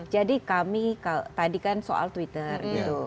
jadi kami tadi kan soal twitter gitu